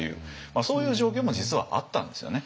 そういう状況も実はあったんですよね。